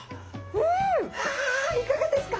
うわいかがですか？